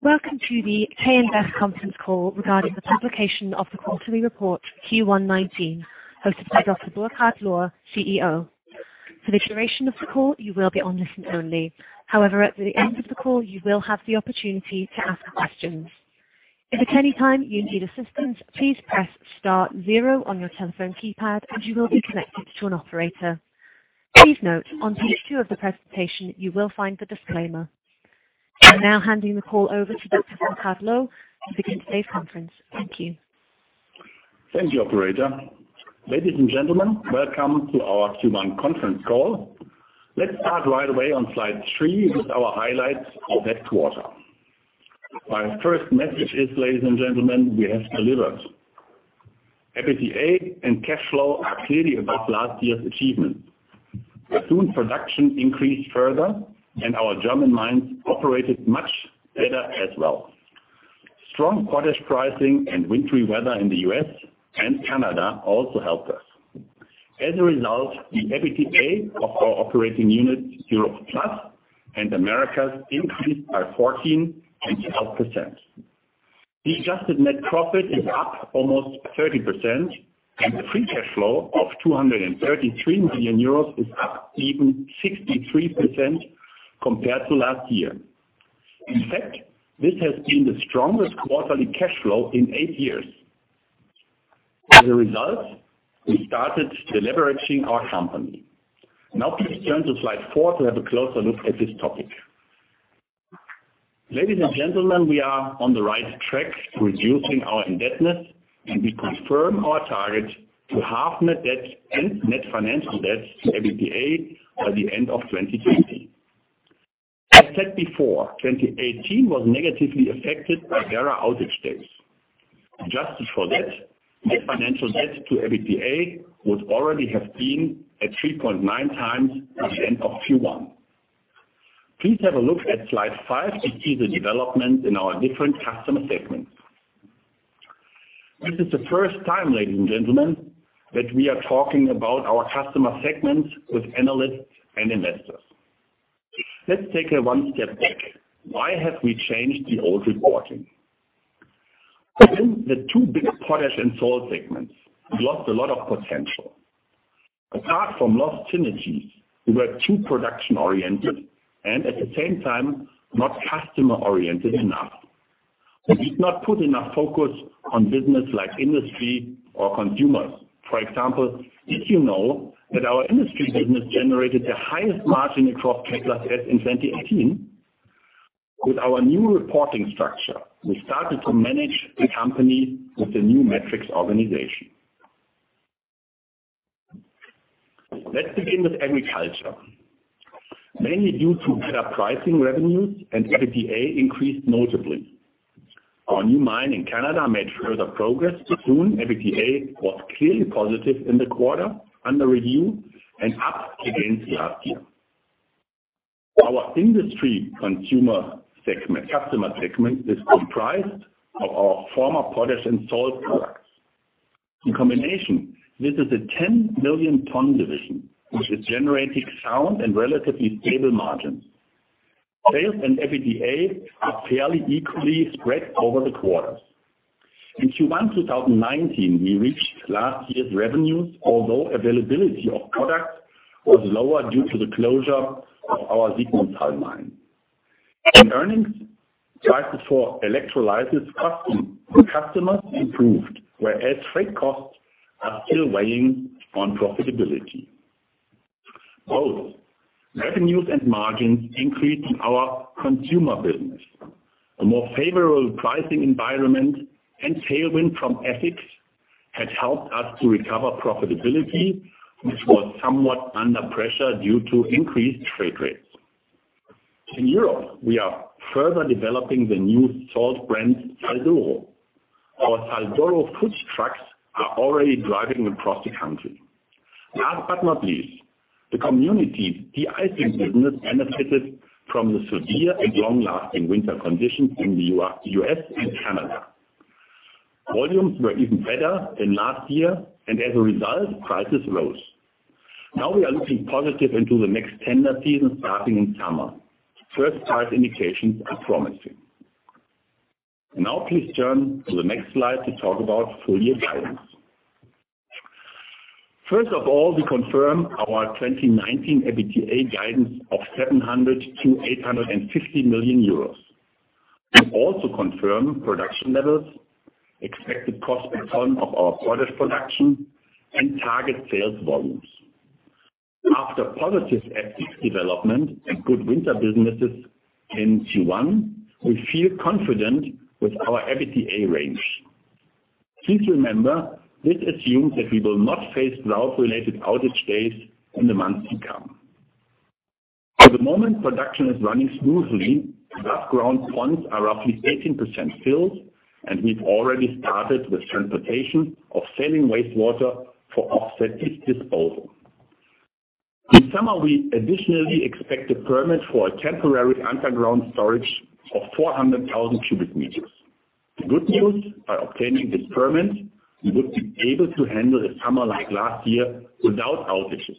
Welcome to the K+S conference call regarding the publication of the quarterly report Q1 2019, hosted by Dr. Burkhard Lohr, CEO. For the duration of the call, you will be on listen only. However, at the end of the call, you will have the opportunity to ask questions. If at any time you need assistance, please press star 0 on your telephone keypad and you will be connected to an operator. Please note, on page two of the presentation, you will find the disclaimer. I'm now handing the call over to Dr. Burkhard Lohr to begin today's conference. Thank you. Thank you, operator. Ladies and gentlemen, welcome to our Q1 conference call. Let's start right away on slide three with our highlights of that quarter. My first message is, ladies and gentlemen, we have delivered. EBITDA and cash flow are clearly above last year's achievement. Bethune production increased further and our German mines operated much better as well. Strong potash pricing and wintry weather in the U.S. and Canada also helped us. As a result, the EBITDA of our operating unit Europe+ and Americas increased by 14% and 12%. The adjusted net profit is up almost 30% and the free cash flow of 233 million euros is up even 63% compared to last year. In fact, this has been the strongest quarterly cash flow in eight years. As a result, we started deleveraging our company. Now please turn to slide four to have a closer look at this topic. Ladies and gentlemen, we are on the right track to reducing our indebtedness. We confirm our target to halve net debt and net financial debt to EBITDA by the end of 2020. As said before, 2018 was negatively affected by Werra outage days. Adjusted for that, net financial debt to EBITDA would already have been at 3.9 times by the end of Q1. Please have a look at slide five to see the development in our different customer segments. This is the first time, ladies and gentlemen, that we are talking about our customer segments with analysts and investors. Let's take a one step back. Why have we changed the old reporting? Within the two big potash and salt segments, we lost a lot of potential. Apart from lost synergies, we were too production-oriented and at the same time not customer-oriented enough. We did not put enough focus on business like industry or consumers. For example, did you know that our industry business generated the highest margin across K+S in 2018? With our new reporting structure, we started to manage the company with the new metrics organization. Let's begin with agriculture. Mainly due to better pricing revenues and EBITDA increased notably. Our new mine in Canada made further progress. Bethune EBITDA was clearly positive in the quarter under review and up against last year. Our industry customer segment is comprised of our former potash and salt products. In combination, this is a 10-million-ton division, which is generating sound and relatively stable margins. Sales and EBITDA are fairly equally spread over the quarters. In Q1 2019, we reached last year's revenues, although availability of product was lower due to the closure of our Siegmundshall mine. In earnings, prices for electrolysis customers improved, whereas freight costs are still weighing on profitability. Both revenues and margins increased in our consumer business. A more favorable pricing environment and tailwind from FX has helped us to recover profitability, which was somewhat under pressure due to increased freight rates. In Europe, we are further developing the new salt brand, SALDORO. Our SALDORO food trucks are already driving across the country. Last but not least, the community deicing business benefited from the severe and long-lasting winter conditions in the U.S. and Canada. Volumes were even better than last year, and as a result, prices rose. We are looking positive into the next tender season starting in summer. First price indications are promising. Please turn to the next slide to talk about full-year guidance. First of all, we confirm our 2019 EBITDA guidance of 700 million to 850 million euros. We also confirm production levels, expected cost per ton of our potash production, and target sales volumes. After positive FX development and good winter businesses in Q1, we feel confident with our EBITDA range. Please remember, this assumes that we will not face drought-related outage days in the months to come. For the moment, production is running smoothly, above ground ponds are roughly 18% filled, and we've already started the transportation of saline wastewater for off-site disposal. In summer, we additionally expect a permit for a temporary underground storage of 400,000 cubic meters. The good news, by obtaining this permit, we would be able to handle a summer like last year without outages.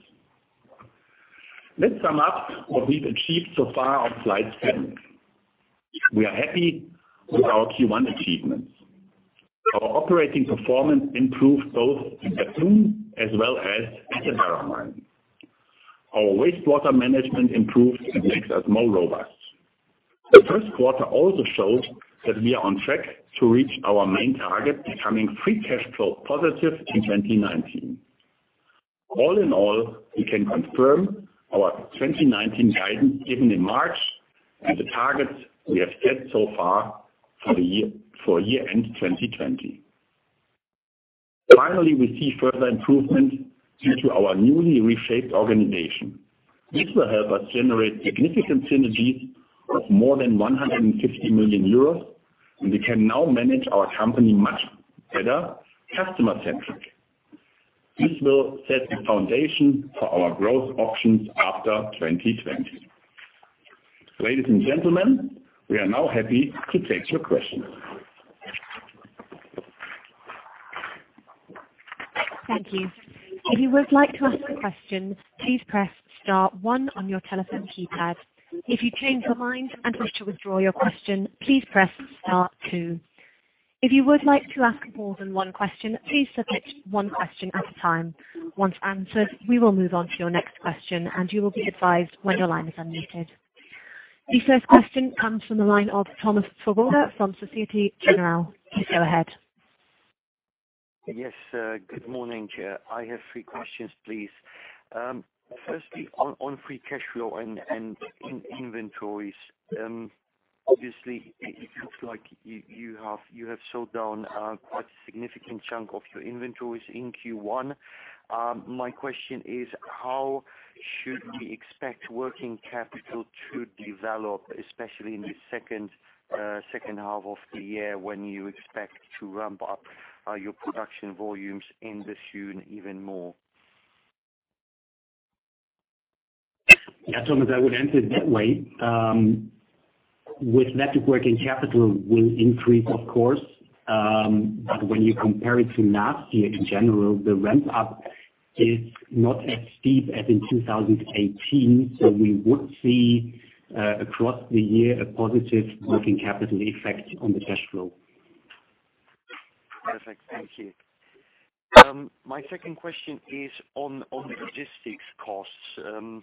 Let's sum up what we've achieved so far on slide 10. We are happy with our Q1 achievements. Our operating performance improved both in Pattensen as well as at the Werra mine. Our wastewater management improved and makes us more robust. The first quarter also shows that we are on track to reach our main target, becoming free cash flow positive in 2019. All in all, we can confirm our 2019 guidance given in March, and the targets we have set so far for year-end 2020. Finally, we see further improvements due to our newly reshaped organization. This will help us generate significant synergies of more than 150 million euros, and we can now manage our company much better, customer-centric. This will set the foundation for our growth options after 2020. Ladies and gentlemen, we are now happy to take your questions. Thank you. If you would like to ask a question, please press star one on your telephone keypad. If you change your mind and wish to withdraw your question, please press star two. If you would like to ask more than one question, please submit one question at a time. Once answered, we will move on to your next question, and you will be advised when your line is unmuted. The first question comes from the line of Thomas Swoboda from Societe Generale. Please go ahead. Yes, good morning. I have three questions, please. Firstly, on free cash flow and in inventories, obviously, it looks like you have sold down quite a significant chunk of your inventories in Q1. My question is, how should we expect working capital to develop, especially in the second half of the year, when you expect to ramp up your production volumes in the June even more? Yeah, Thomas, I would answer it that way. With that, working capital will increase, of course. When you compare it to last year in general, the ramp-up is not as steep as in 2018. We would see, across the year, a positive working capital effect on the cash flow. Perfect. Thank you. My second question is on the logistics costs.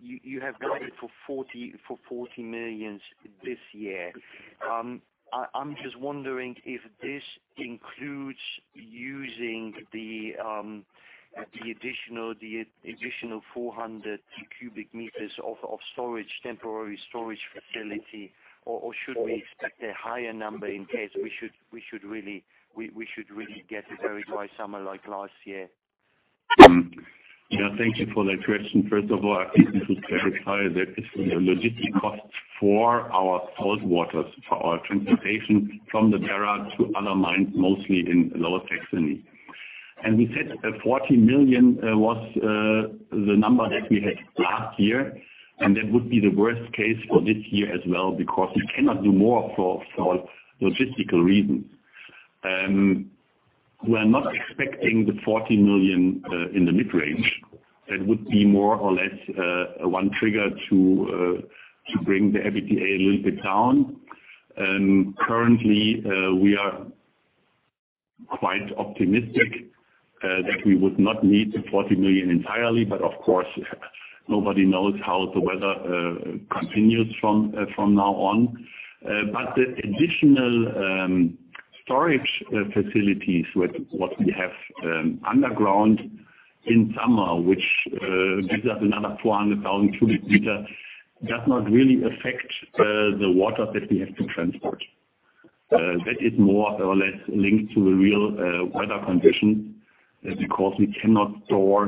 You have guided for 40 million this year. I'm just wondering if this includes using the additional 400 cubic meters of temporary storage facility, or should we expect a higher number in case we should really get a very dry summer like last year? Yeah. Thank you for that question. First of all, I think we should clarify that it's the logistic cost for our salt waters, for our transportation from the Werra to other mines, mostly in Lower Saxony. We said 40 million was the number that we had last year, and that would be the worst case for this year as well, because we cannot do more for logistical reasons. We are not expecting the 40 million in the mid-range. That would be more or less one trigger to bring the EBITDA a little bit down. Currently, we are quite optimistic that we would not need the 40 million entirely, of course, nobody knows how the weather continues from now on. The additional storage facilities, what we have underground in summer, which gives us another 400,000 cubic meter, does not really affect the water that we have to transport. That is more or less linked to the real weather condition because we cannot store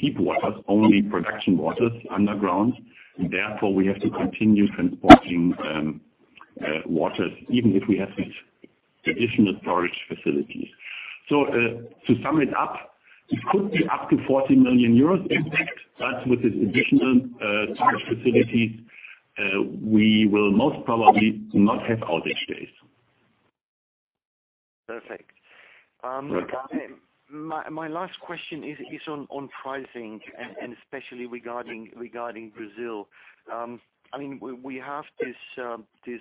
deep waters, only production waters underground. Therefore, we have to continue transporting waters even if we have these additional storage facilities. To sum it up, it could be up to 40 million euros impact, but with these additional storage facilities, we will most probably not have outage days. Perfect. Okay. My last question is on pricing, and especially regarding Brazil. We have these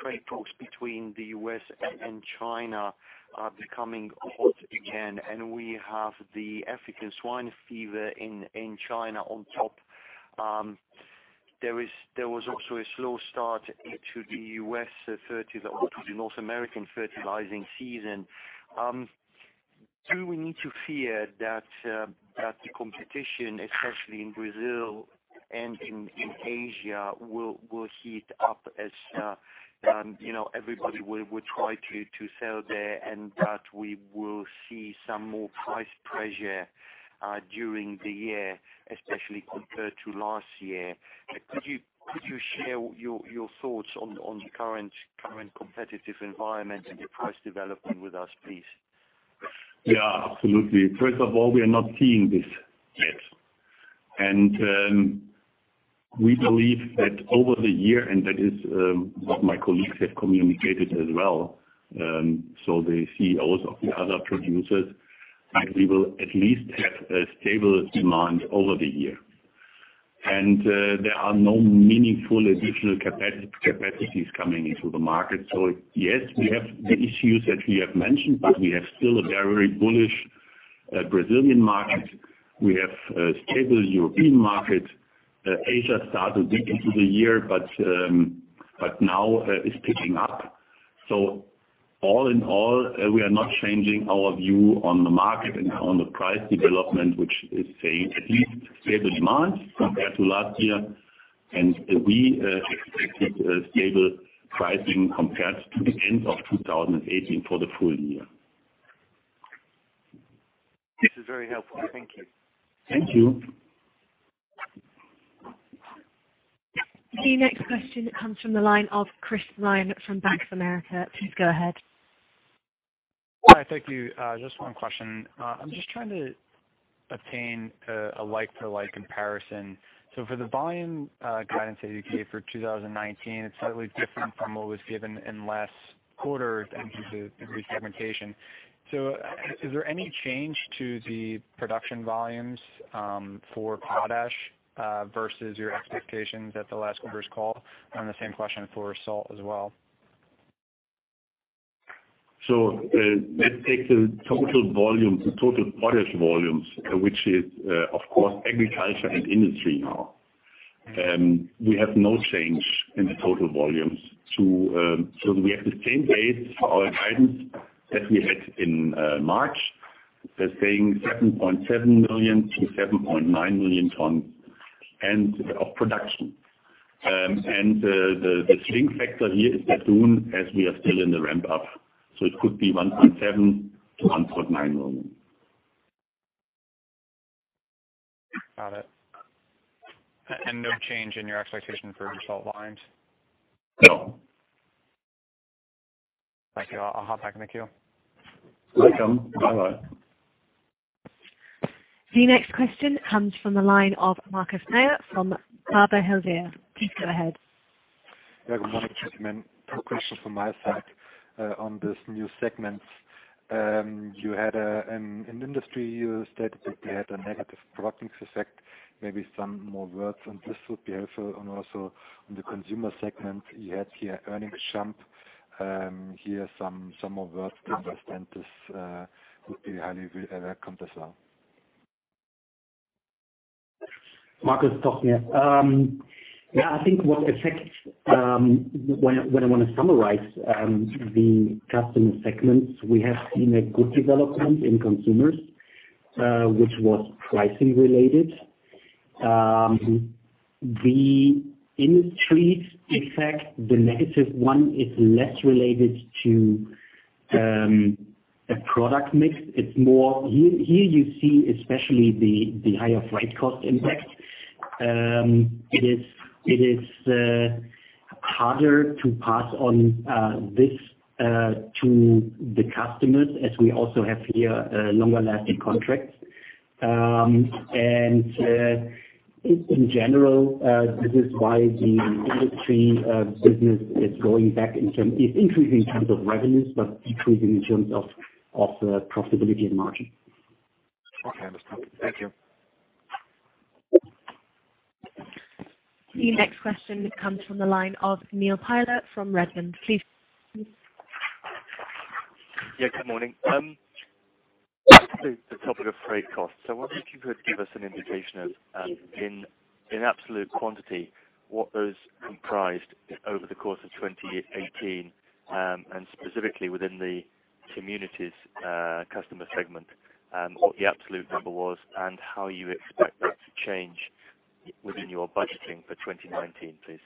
trade talks between the U.S. and China are becoming hot again, and we have the African swine fever in China on top. There was also a slow start to the North American fertilizing season. Do we need to fear that the competition, especially in Brazil and in Asia, will heat up as everybody will try to sell there, and that we will see some more price pressure during the year, especially compared to last year? Could you share your thoughts on the current competitive environment and the price development with us, please? Yeah, absolutely. First of all, we are not seeing this yet. We believe that over the year, and that is what my colleagues have communicated as well, the CEOs of the other producers, that we will at least have a stable demand over the year. There are no meaningful additional capacities coming into the market. Yes, we have the issues that we have mentioned, but we have still a very bullish Brazilian market. We have a stable European market. Asia started weak into the year, but now is picking up. All in all, we are not changing our view on the market and on the price development, which is saying at least stable demand compared to last year. We expected a stable pricing compared to the end of 2018 for the full year. This is very helpful. Thank you. Thank you. The next question comes from the line of Chris Ryan from Bank of America. Please go ahead. Hi, thank you. Just one question. I'm just trying to obtain a like-to-like comparison. For the volume guidance that you gave for 2019, it's slightly different from what was given in last quarter, emphasis on re-segmentation. Is there any change to the production volumes for potash, versus your expectations at the last quarter's call? And the same question for salt as well. Let's take the total volume, the total potash volumes, which is, of course, agriculture and industry now. We have no change in the total volumes. We have the same base for our guidance that we had in March, saying 7.7 million to 7.9 million tons of production. The swing factor here is that soon, as we are still in the ramp-up, it could be 1.7 million to 1.9 million. Got it. No change in your expectation for your salt volumes? No. Thank you. I'll hop back in the queue. Welcome. Bye-bye. The next question comes from the line of Markus Mayer from Baader Helvea. Please go ahead. Yeah, good morning, gentlemen. Two questions from my side on this new segment. In industry, you stated that you had a negative product mix effect, maybe some more words on this would be helpful, and also on the consumer segment you had here earnings jump. Here some more words to understand this would be highly welcome as well. Markus. I think when I want to summarize the customer segments, we have seen a good development in consumers, which was pricing related. The industry effect, the negative one is less related to a product mix. Here you see especially the higher freight cost impact. It is harder to pass on this to the customers, as we also have here longer-lasting contracts. In general, this is why the industry business is increasing in terms of revenues, but decreasing in terms of profitability and margin. Okay, understood. Thank you. The next question comes from the line of Neil Tyler from Redburn. Please proceed. Yeah, good morning. The topic of freight costs. I wonder if you could give us an indication of, in absolute quantity, what those comprised over the course of 2018, and specifically within the communities customer segment, what the absolute number was and how you expect that to change within your budgeting for 2019, please?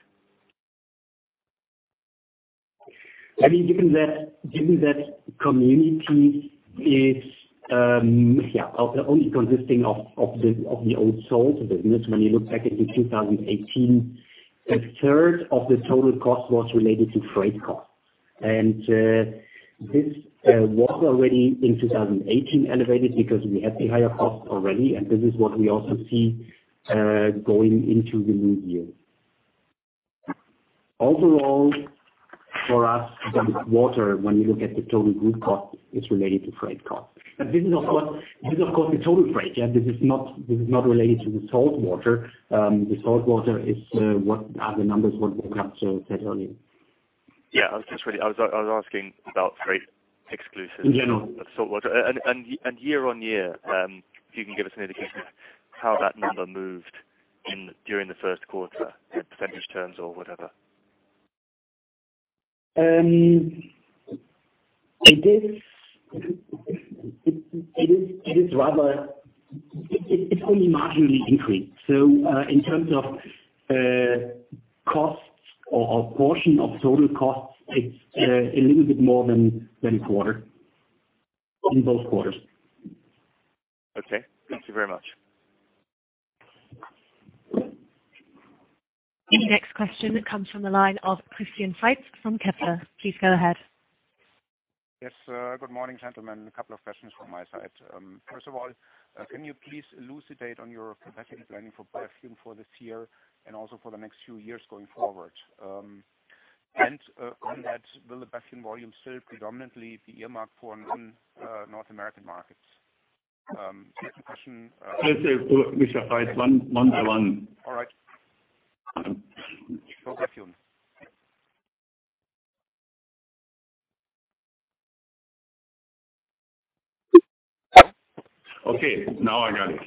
Given that community is only consisting of the old salt business, when you look back into 2018, a third of the total cost was related to freight cost. This was already in 2018 elevated because we had the higher cost already, and this is what we also see going into the new year. Overall, for us, the total, when you look at the total group cost, is related to freight cost. This is of course the total freight. This is not related to the salt water. The salt water are the numbers what Marcel said earlier. Yeah, I was asking about freight exclusive- general salt water. Year on year, if you can give us an indication how that number moved during the first quarter in % terms or whatever. It is only marginally increased. In terms of costs or portion of total costs, it's a little bit more than a quarter, in both quarters. Okay. Thank you very much. The next question comes from the line of Christian Veith from Kepler. Please go ahead. Yes. Good morning, gentlemen. A couple of questions from my side. First of all, can you please elucidate on your capacity planning for Bethune for this year and also for the next few years going forward? On that, will the Bethune volume still predominantly be earmarked for non-North American markets? Second question. Please say who, which side, one by one. All right. For Bethune. Okay, now I got it.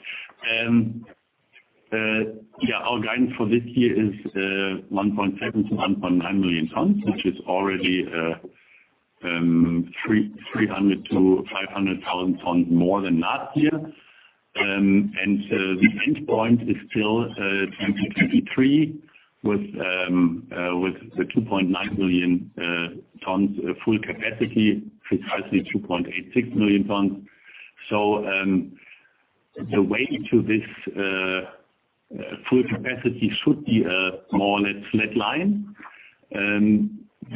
Our guidance for this year is 1.7 million tons-1.9 million tons, which is already 300,000 tons-500,000 tons more than last year. The end point is still 2023, with the 2.9 million tons full capacity, precisely 2.86 million tons. The way to this full capacity should be more or less flat line.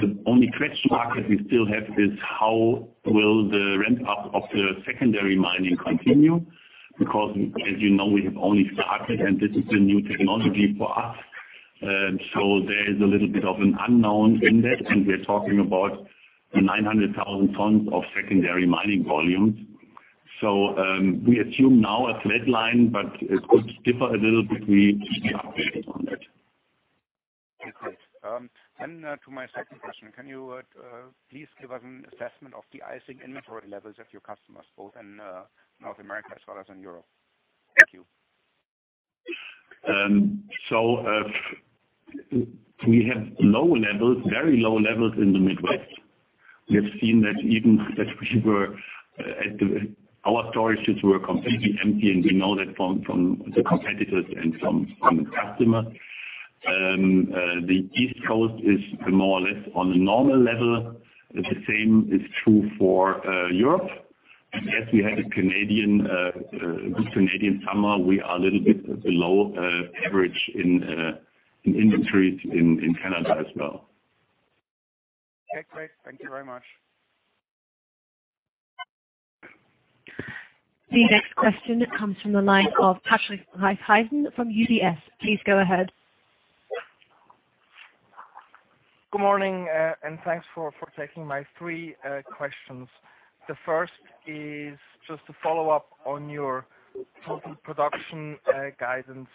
The only question mark that we still have is how will the ramp-up of the secondary mining continue? Because as you know, we have only started, and this is a new technology for us. There is a little bit of an unknown in that, and we are talking about 900,000 tons of secondary mining volumes. We assume now a flat line, but it could differ a little bit. We keep you updated on that. Okay. To my second question, can you please give us an assessment of the icing inventory levels of your customers, both in North America as well as in Europe? Thank you. We have low levels, very low levels in the Midwest. We have seen that even our storage units were completely empty, and we know that from the competitors and from the customer. The East Coast is more or less on a normal level. The same is true for Europe. As we had a good Canadian summer, we are a little bit below average in inventories in Canada as well. Okay, great. Thank you very much. The next question comes from the line of Patrick Laager from UBS. Please go ahead. Good morning, thanks for taking my three questions. The first is just a follow-up on your total production guidance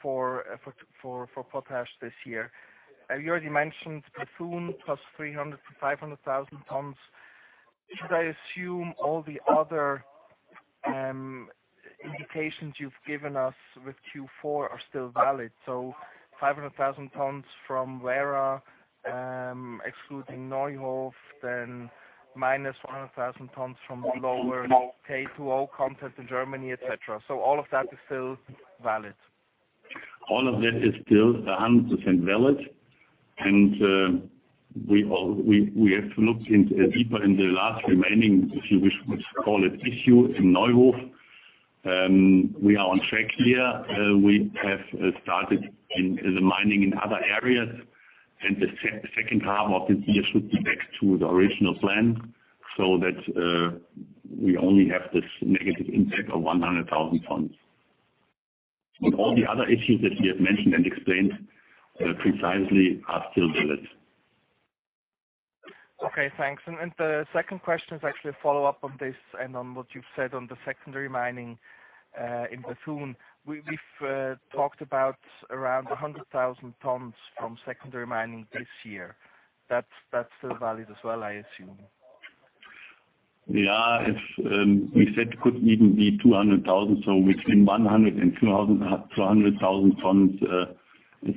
for potash this year. You already mentioned Bethune plus 300,000-500,000 tons. Should I assume all the other indications you've given us with Q4 are still valid? 500,000 tons from Werra, excluding Neuhof, then minus 100,000 tons from lower K2O content in Germany, et cetera. All of that is still valid? All of that is still 100% valid. We have to look deeper in the last remaining, if you wish, we call it issue in Neuhof. We are on track here. We have started the mining in other areas, the second half of this year should be back to the original plan. So that we only have this negative impact of 100,000 tons. All the other issues that we have mentioned and explained precisely are still valid. Okay, thanks. The second question is actually a follow-up on this and on what you've said on the secondary mining in Bethune. We've talked about around 100,000 tons from secondary mining this year. That's still valid as well, I assume? Yeah. We said it could even be 200,000, so between 100 and 200,000 tons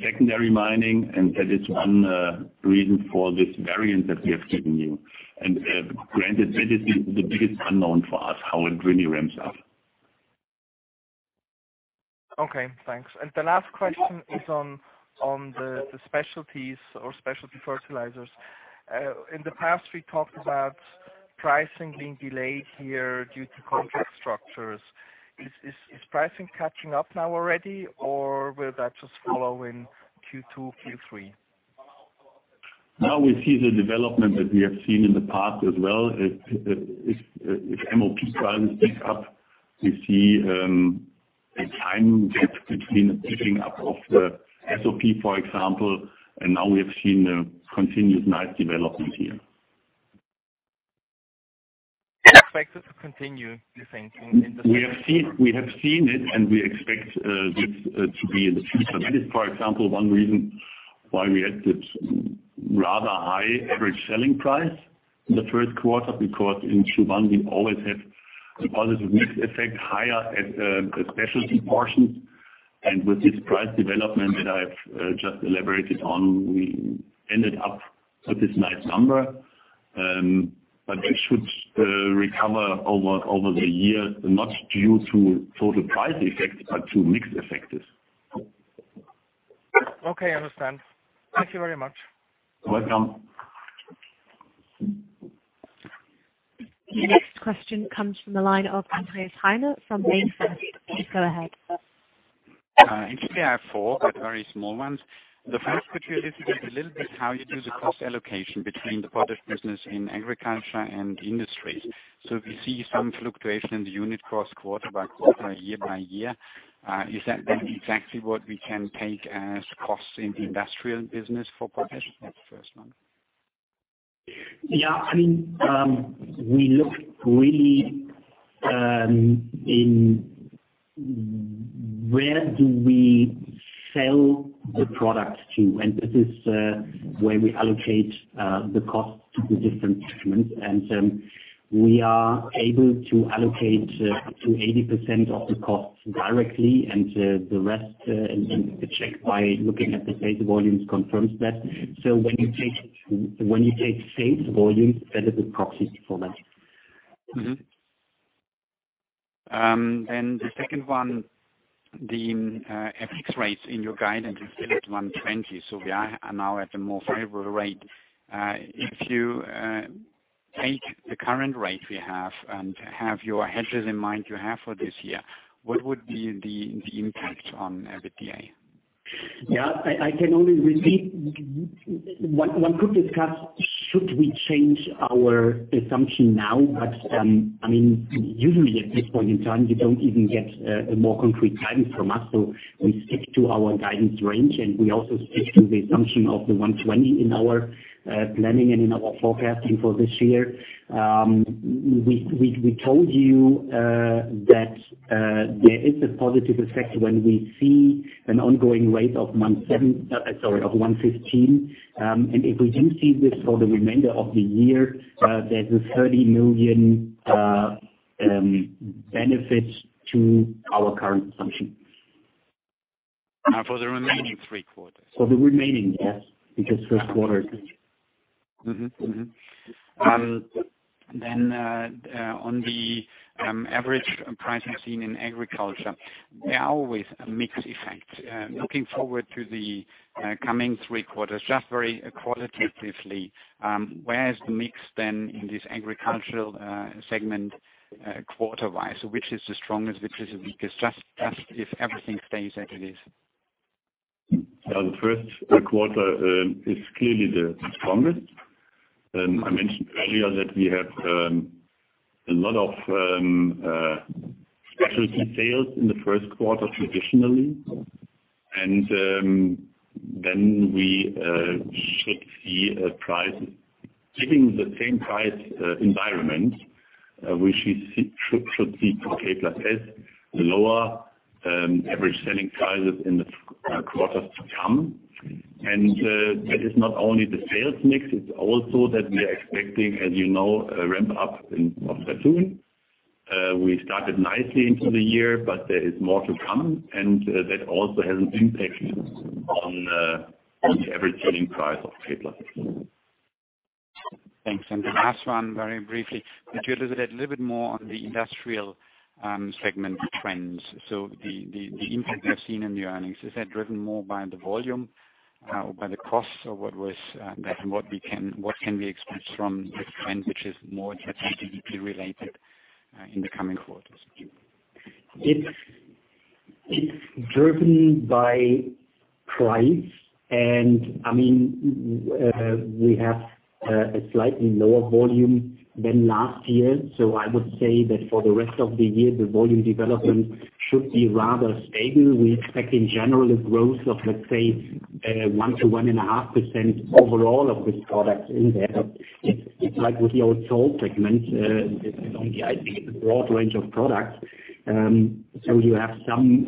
secondary mining, that is one reason for this variance that we have given you. Granted, that is the biggest unknown for us, how it really ramps up. Okay, thanks. The last question is on the specialties or specialty fertilizers. In the past, we talked about pricing being delayed here due to contract structures. Is pricing catching up now already, or will that just follow in Q2, Q3? Now we see the development that we have seen in the past as well. If MOP prices pick up, we see a time gap between the picking up of the SOP, for example, and we have seen a continuous nice development here. Expected to continue the same in the second quarter? We have seen it, and we expect this to be in the future. That is, for example, one reason why we had this rather high average selling price in the first quarter, because in Q1, we always have a positive mix effect, higher specialty portions. With this price development that I've just elaborated on, we ended up with this nice number. It should recover over the year, not due to total price effect, but to mix effects. Okay, I understand. Thank you very much. You're welcome. The next question comes from the line of Andreas Heine from Bank Vontobel. Please go ahead. Actually, I have four, but very small ones. The first, could you elaborate a little bit how you do the cost allocation between the potash business in agriculture and the industry? We see some fluctuation in the unit cost quarter by quarter, year by year. Is that then exactly what we can take as costs in the industrial business for potash? That's the first one. Yeah. We looked really in where do we sell the product to. This is where we allocate the cost to the different segments. We are able to allocate up to 80% of the costs directly and the rest, and the check by looking at the sales volumes confirms that. When you take sales volume, that is a proxy for that. Mm-hmm. The second one, the FX rates in your guidance is still at 120. We are now at a more favorable rate. If you take the current rate we have and have your hedges in mind you have for this year, what would be the impact on EBITDA? Yeah, I can only repeat. One could discuss should we change our assumption now. Usually at this point in time, you don't even get a more concrete guidance from us. We stick to our guidance range. We also stick to the assumption of the 120 in our planning and in our forecasting for this year. We told you that there is a positive effect when we see an ongoing rate of 115. If we do see this for the remainder of the year, there's a 30 million benefit to our current assumption. For the remaining three quarters? For the remaining, yes, because first quarter is- On the average pricing seen in agriculture, there are always a mixed effect. Looking forward to the coming three quarters, just very qualitatively, where is the mix then in this agricultural segment quarter-wise? Which is the strongest, which is the weakest? Just if everything stays as it is. The first quarter is clearly the strongest. I mentioned earlier that we have a lot of specialty sales in the first quarter, traditionally. We should see, keeping the same price environment, we should see for K+S, lower average selling prices in the quarters to come. That is not only the sales mix, it's also that we are expecting, as you know, a ramp-up in North Brazil. We started nicely into the year, but there is more to come, and that also has an impact on the average selling price of K+S. Thanks. The last one, very briefly. Could you elaborate a little bit more on the industrial segment trends? The impact we have seen in the earnings, is that driven more by the volume or by the costs, or what can we expect from the trend, which is more strategically related in the coming quarters? It's driven by price, we have a slightly lower volume than last year. I would say that for the rest of the year, the volume development should be rather stable. We expect in general a growth of, let's say, 1%-1.5% overall of this product in there. It's like with the old salt segment. It's only, I think, a broad range of products. You have some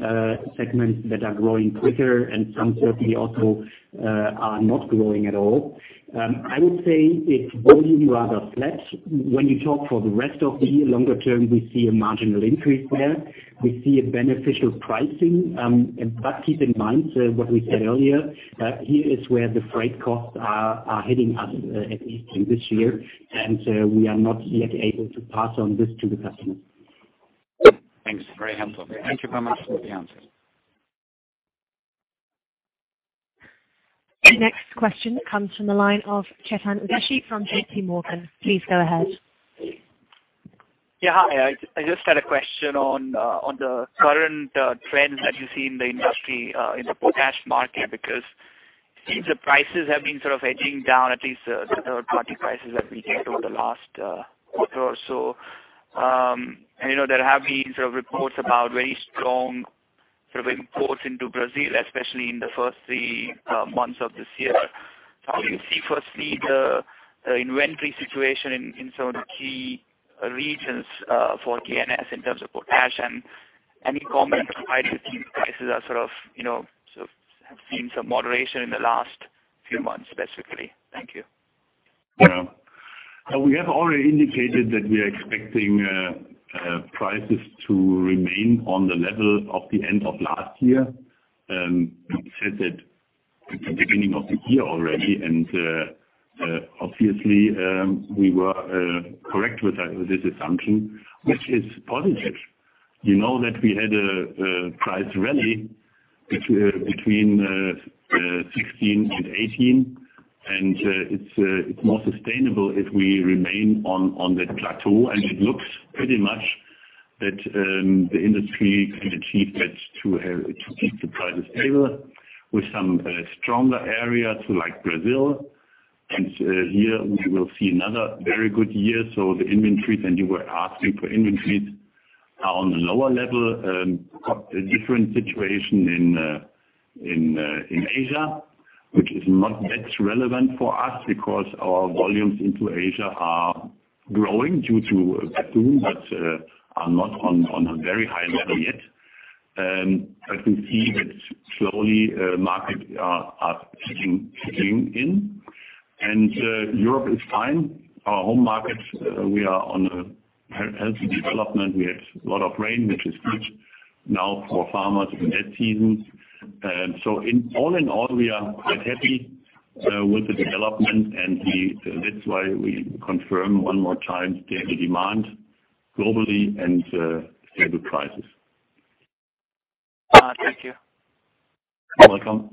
segments that are growing quicker, and some certainly also are not growing at all. I would say it's volume rather flat. When you talk for the rest of the year, longer term, we see a marginal increase there. We see a beneficial pricing. Keep in mind what we said earlier, here is where the freight costs are hitting us, at least in this year, and we are not yet able to pass on this to the customer. Thanks. Very helpful. Thank you very much for the answers. Next question comes from the line of Chetan Udeshi from J.P. Morgan. Please go ahead. Yeah. Hi. I just had a question on the current trends that you see in the industry, in the potash market, because it seems the prices have been edging down, at least the third-party prices that we get over the last quarter or so. There have been reports about very strong imports into Brazil, especially in the first three months of this year. How do you see firstly the inventory situation in some of the key regions for K+S in terms of potash? Any comment provided that these prices have seen some moderation in the last few months, specifically? Thank you. We have already indicated that we are expecting prices to remain on the level of the end of last year. We said that at the beginning of the year already, and obviously, we were correct with this assumption, which is positive. You know that we had a price rally between 2016 and 2018, and it's more sustainable if we remain on that plateau, and it looks pretty much that the industry can achieve that to keep the prices stable with some stronger areas like Brazil. Here we will see another very good year. The inventories, and you were asking for inventories, are on a lower level. A different situation in Asia, which is not that relevant for us because our volumes into Asia are growing due to battery, but are not on a very high level yet. I can see that slowly markets are ticking in. Europe is fine. Our home markets, we are on a healthy development. We had a lot of rain, which is good now for farmers in that season. All in all, we are quite happy with the development and that's why we confirm one more time the demand globally and stable prices. Thank you. You're welcome.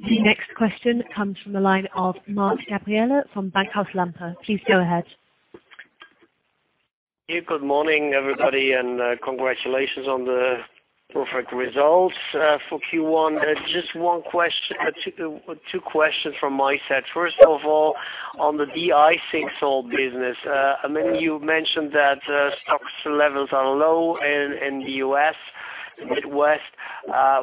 The next question comes from the line of Marc Gabriel from Bankhaus Lampe. Please go ahead. Good morning, everybody, and congratulations on the perfect results for Q1. Just two questions from my side. First of all, on the de-icing salt business. I mean, you mentioned that stocks levels are low in the U.S. Midwest.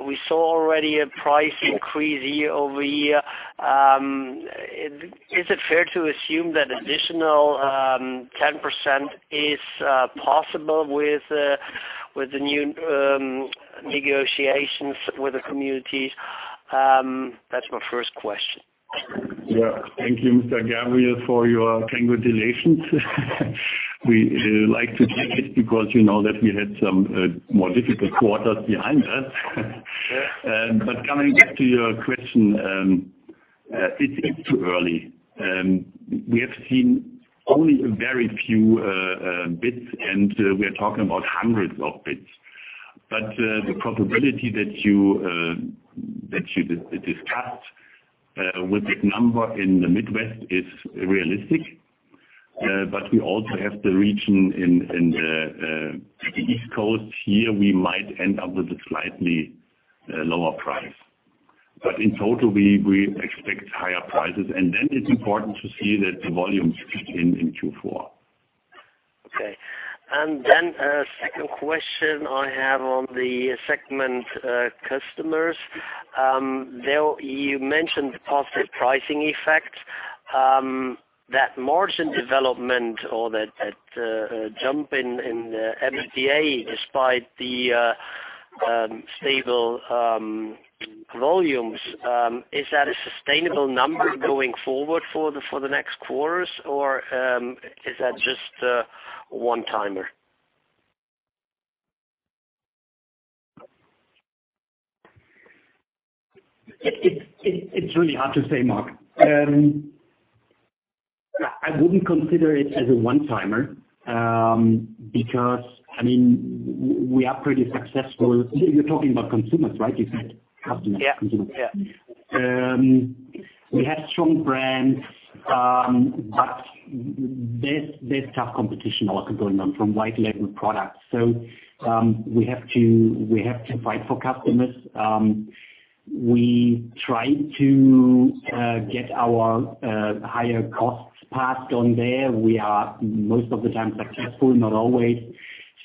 We saw already a price increase year-over-year. Is it fair to assume that additional 10% is possible with the new negotiations with the communities? That's my first question. Yeah. Thank you, Mr. Gabriel, for your congratulations. We like to take it because you know that we had some more difficult quarters behind us. Coming back to your question, I think it's too early. We have seen only a very few bids, and we're talking about hundreds of bids. The probability that you discussed with that number in the Midwest is realistic. We also have the region in the East Coast here, we might end up with a slightly lower price. In total, we expect higher prices. Then it's important to see that the volumes kick in in Q4. Okay. Second question I have on the segment customers. There, you mentioned the positive pricing effect, that margin development or that jump in the EBITDA, despite the stable volumes. Is that a sustainable number going forward for the next quarters, or is that just a one-timer? It's really hard to say, Marc. I wouldn't consider it as a one-timer, because we are pretty successful. You're talking about consumers, right? You said customers- Yeah consumers. Yeah. We have strong brands, there's tough competition also going on from white label products. We have to fight for customers. We try to get our higher costs passed on there. We are most of the time successful, not always.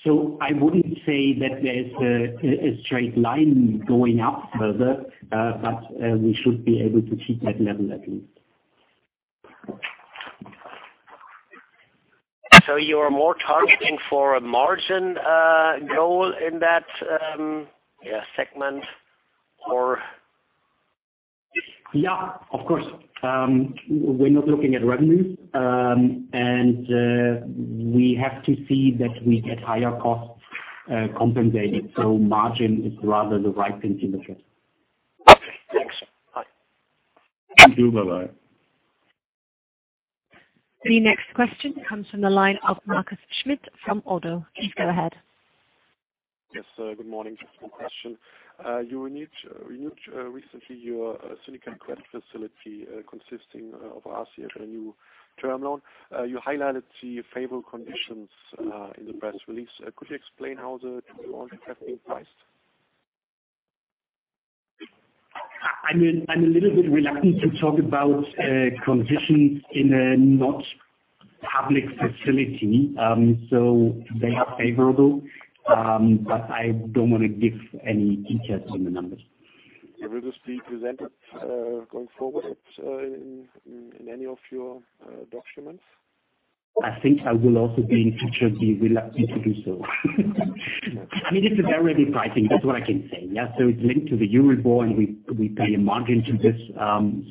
I wouldn't say that there's a straight line going up further, but we should be able to keep that level at least. You are more targeting for a margin goal in that segment, or? Yeah, of course. We're not looking at revenues. We have to see that we get higher costs compensated. Margin is rather the right indicator. Okay, thanks. Bye. Thank you. Bye-bye. The next question comes from the line of Markus Schmitt from ODDO BHF. Please go ahead. Yes, good morning. Just one question. You renewed recently your syndicate credit facility, consisting of RCF for a new term loan. You highlighted the favorable conditions in the press release. Could you explain how the new loan have been priced? I'm a little bit reluctant to talk about conditions in a not public facility. They are favorable, but I don't want to give any details on the numbers. Will this be presented, going forward in any of your documents? I think I will also be in the future be reluctant to do so. I mean, it's a variable pricing, that's what I can say. Yeah, so it's linked to the Euribor, and we pay a margin to this,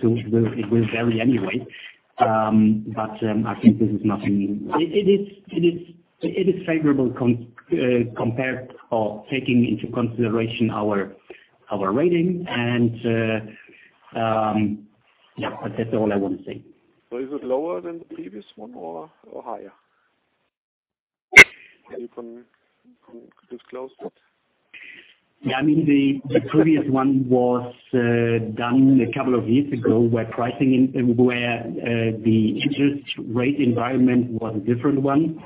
so it will vary anyway. I think this is nothing. It is favorable compared or taking into consideration our rating, and yeah, that's all I want to say. Is it lower than the previous one or higher? Can you disclose that? Yeah. The previous one was done a couple of years ago, where the interest rate environment was a different one.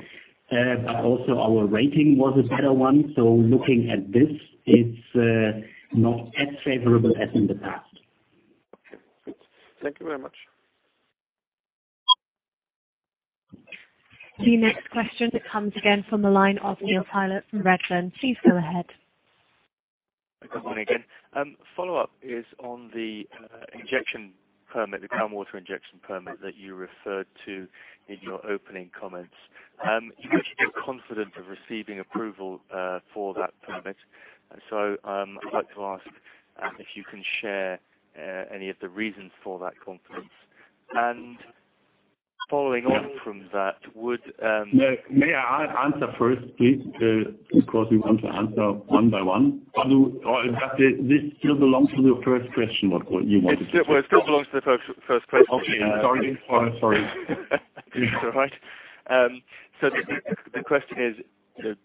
Also our rating was a better one. Looking at this, it's not as favorable as in the past. Okay. Thank you very much. The next question comes again from the line of Neil Tyler from Redburn. Please go ahead. Good morning, again. Follow-up is on the injection permit, the brine water injection permit that you referred to in your opening comments. You mentioned you're confident of receiving approval for that permit. I'd like to ask if you can share any of the reasons for that confidence. Following on from that, would- May I answer first, please? Because we want to answer one by one. Does this still belong to the first question, what you wanted? It still belongs to the first question. Okay. Sorry. It's all right. The question is,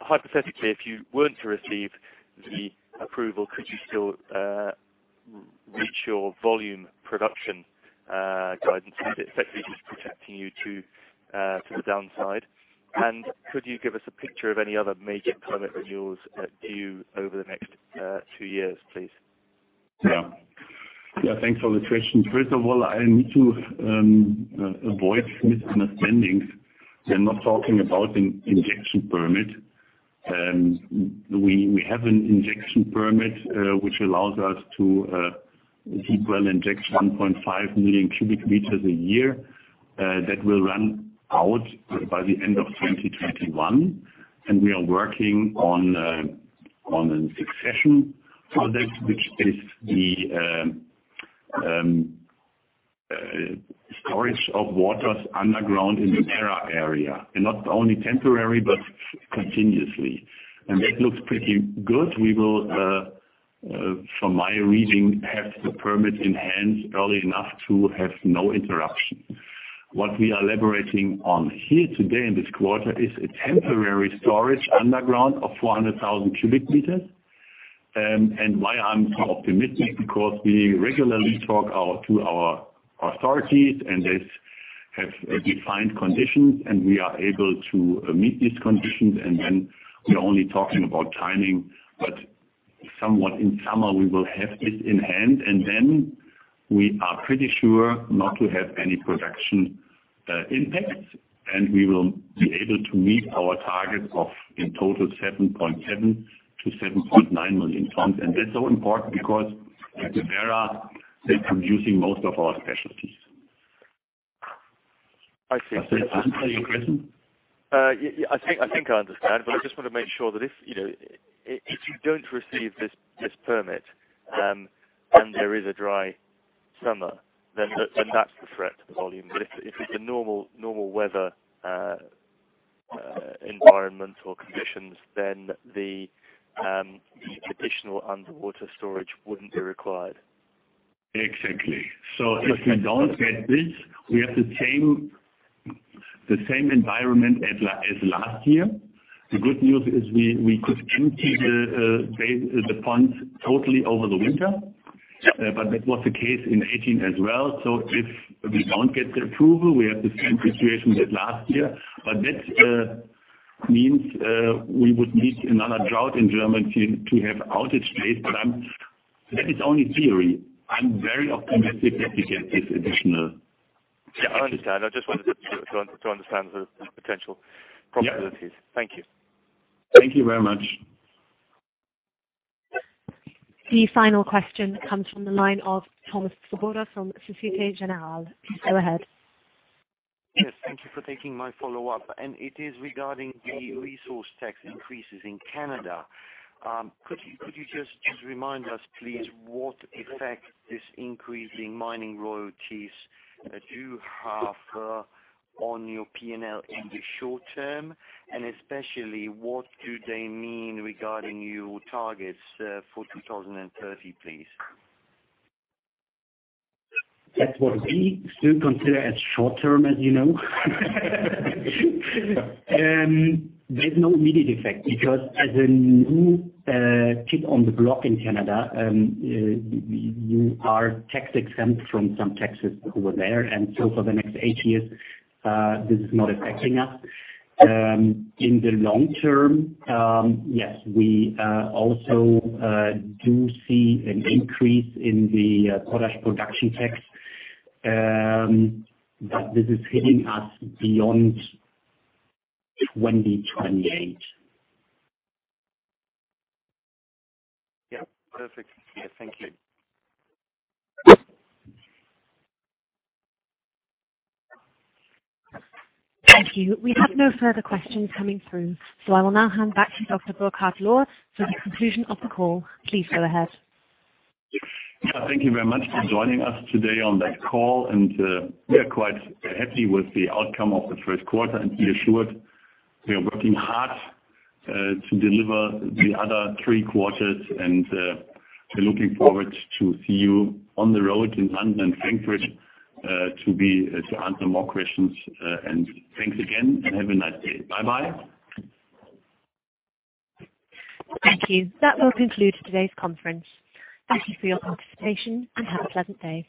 hypothetically, if you weren't to receive the approval, could you still reach your volume production guidance? Is it effectively just protecting you to the downside? Could you give us a picture of any other major permit renewals due over the next two years, please? Yeah. Thanks for the questions. First of all, I need to avoid misunderstandings. We're not talking about an injection permit. We have an injection permit, which allows us to deep well inject 1.5 million cubic meters a year. That will run out by the end of 2021, we are working on a succession project, which is the storage of waters underground in the Werra area, and not only temporary, but continuously. That looks pretty good. We will, from my reading, have the permit in hand early enough to have no interruption. What we are elaborating on here today in this quarter is a temporary storage underground of 400,000 cubic meters. Why I'm so optimistic, because we regularly talk to our authorities, and they have defined conditions, and we are able to meet these conditions. Then we are only talking about timing. Somewhat in summer, we will have this in hand, then we are pretty sure not to have any production impacts, and we will be able to meet our targets of, in total, 7.7 million-7.9 million tons. That's so important because with Era, they're consuming most of our specialties. I see. Does that answer your question? Yeah. I think I understand, I just want to make sure that if you don't receive this permit, there is a dry summer, that's the threat to the volume. If it's a normal weather environmental conditions, the additional underwater storage wouldn't be required. Exactly. If we don't get this, we have the same environment as last year. The good news is we could empty the ponds totally over the winter. That was the case in 2018 as well. If we don't get the approval, we have the same situation as last year. That means we would need another drought in Germany to have outage days. That is only theory. I'm very optimistic that we get this additional. Yeah, I understand. I just wanted to understand the potential possibilities. Yeah. Thank you. Thank you very much. The final question comes from the line of Thomas Swoboda from Societe Generale. Please go ahead. Yes. Thank you for taking my follow-up. It is regarding the resource tax increases in Canada. Could you just remind us, please, what effect this increase in mining royalties do you have on your P&L in the short term, and especially, what do they mean regarding your targets for 2030, please? That's what we still consider as short term, as you know. There's no immediate effect because as a new kid on the block in Canada, you are tax-exempt from some taxes over there. So for the next eight years, this is not affecting us. In the long term, yes, we also do see an increase in the potash production tax, this is hitting us beyond 2028. Yeah. Perfect. Thank you. Thank you. We have no further questions coming through, I will now hand back to Dr. Burkhard Lohr for the conclusion of the call. Please go ahead. Yeah. Thank you very much for joining us today on that call. We are quite happy with the outcome of the first quarter, and be assured we are working hard to deliver the other three quarters and we're looking forward to see you on the road in London and Frankfurt, to answer more questions. Thanks again, and have a nice day. Bye-bye. Thank you. That will conclude today's conference. Thank you for your participation, and have a pleasant day.